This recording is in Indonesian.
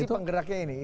pasti penggeraknya ini